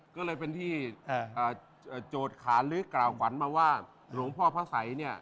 ก็เลยเป็นที่โจทย์ขานหรือกล่าวขวัญมาว่าหลวงพ่อพระสัยเนี่ย